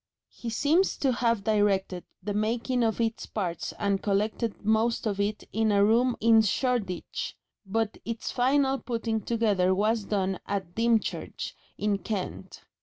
He seems to have directed the making of its parts and collected most of it in a room in Shoreditch, but its final putting together was done at Dymchurch, in Kent.